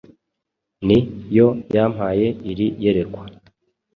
Ni yo yampaye iri yerekwa.